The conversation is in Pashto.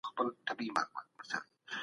د خلګو عزت باید وساتل سي.